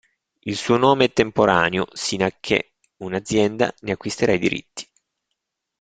Il suo nome è temporaneo, sino a che un'azienda ne acquisterà i diritti.